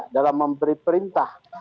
dalam memberi perintah